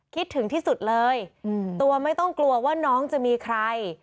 คิดถึงที่สุดเลยตัวไม่ต้องกลัวว่าน้องจะมีใคร